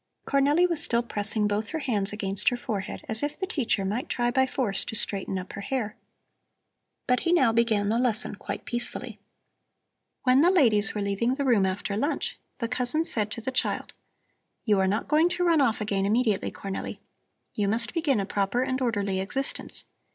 Cornelli was still pressing both her hands against her forehead, as if the teacher might try by force to straighten up her hair. But he now began the lesson quite peacefully. When the ladies were leaving the room after lunch, the cousin said to the child: "You are not going to run off again immediately, Cornelli. You must begin a proper and orderly existence.